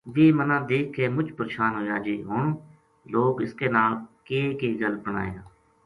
ویہ مَنا دیکھ کے مُچ پرشان ہویا جے ہن لوک اس کے نال کے کے گل بنائے گا